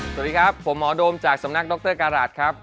สวัสดีครับผมหมอโดมจากสำนักดรการัสครับ